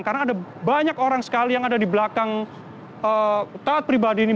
karena ada banyak orang sekali yang ada di belakang taat pribadi ini